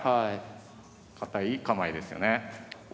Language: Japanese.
堅い構えですよね。